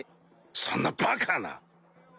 そんなバカな！